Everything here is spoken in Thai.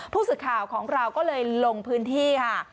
ผู้สื่อข่าวของเราก็เลยลงพื้นที่ค่ะ